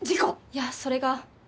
いやそれが。